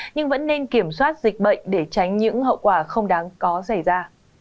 nhưng vẫn nên kiểm soát dịch bệnh để tránh những hậu quả không đáng có xảy ra